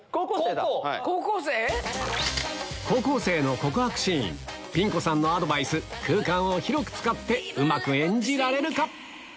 高校生⁉ピン子さんのアドバイス空間を広く使ってうまく演じられるか？